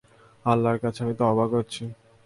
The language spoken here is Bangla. আল্লাহর কাছে আমি তওবা করছি।